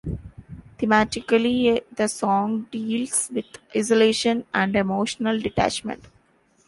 Thematically, the song deals with isolation and emotional detachment.